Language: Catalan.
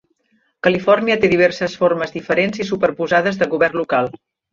Califòrnia té diverses formes diferents i superposades de govern local.